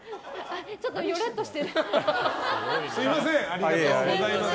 ちょっとよたっとしてる。